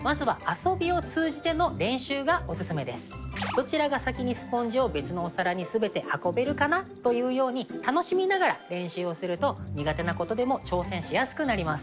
どちらが先にスポンジを別のお皿に全て運べるかなというように楽しみながら練習をすると苦手なことでも挑戦しやすくなります。